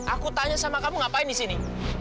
aku tanya sama kamu ngapain disini